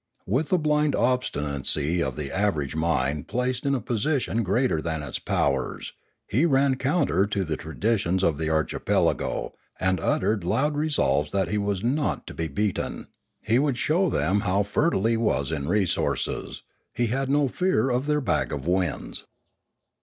With the blind obstinacy of the average mind placed in a position greater than its powers, he ran counter to the traditions of the archipelago, and uttered loud resolves that he was not to be beaten; he would Another Threat 497 show them how fertile he was in resources; he had no fear of their bag of winds.